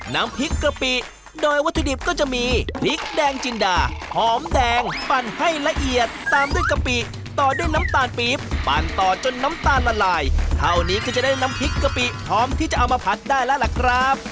น้ำพริกกะปิโดยวัตถุดิบก็จะมีพริกแดงจินดาหอมแดงปั่นให้ละเอียดตามด้วยกะปิต่อด้วยน้ำตาลปี๊บปั่นต่อจนน้ำตาลละลายเท่านี้ก็จะได้น้ำพริกกะปิพร้อมที่จะเอามาผัดได้แล้วล่ะครับ